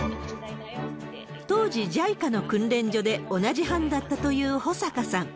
当時、ＪＩＣＡの訓練所で同じ班だったという保坂さん。